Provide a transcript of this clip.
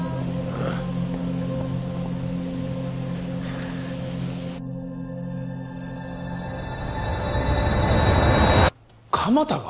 ああ鎌田が！？